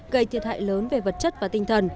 gây thiệt hại lớn về vật chất và tinh thần